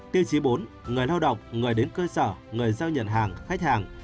tiêu chí bốn người lao động người đến cơ sở người giao nhận hàng khách hàng